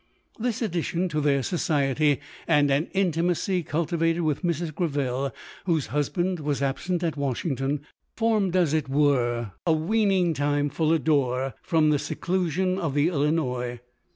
This addition to their society, and an inti macy cultivated with Mrs. Greville, whose hus band was absent at Washington, formed, as it were, a weaning time for Lodore, from the seclusion of the Illinois.